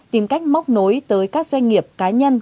tìm cách móc nối tới các doanh nghiệp cá nhân